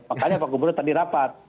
makanya pak gubernur tadi rapat